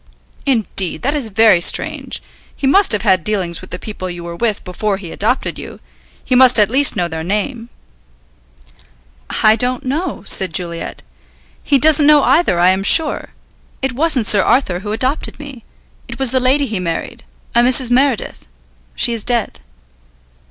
"Indeed; that is very strange. He must have had dealings with the people you were with before he adopted you. He must at least know their name?" "I don't know," said Juliet. "He doesn't know either, I am sure. It wasn't Sir Arthur who adopted me. It was the lady he married. A Mrs. Meredith. She is dead."